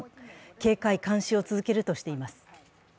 警戒・監視を続けるとしています。